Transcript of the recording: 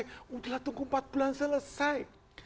sudah tunggu empat bulan selesai